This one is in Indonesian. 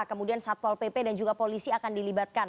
kemudian satpol pp dan juga polisi akan dilibatkan